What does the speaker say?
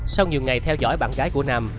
sau nhiều ngày theo dõi bạn gái của nam